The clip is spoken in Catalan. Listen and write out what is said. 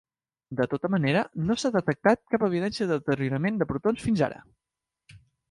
De tota manera, no s'ha detectat cap evidència de deteriorament de protons fins ara.